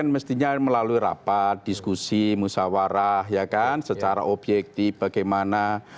mestinya melalui rapat diskusi musawarah secara objektif bagaimana